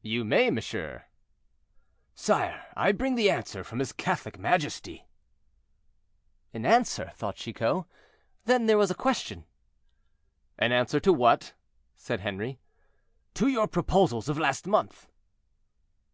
"You may, monsieur." "Sire, I bring the answer from his Catholic majesty." "An answer," thought Chicot; "then there was a question." "An answer to what?" said Henri. "To your proposals of last month."